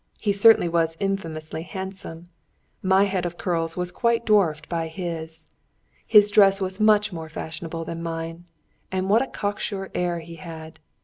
He certainly was infamously handsome. My head of curls was quite dwarfed by his. His dress was much more fashionable than mine. And what a cocksure air he had!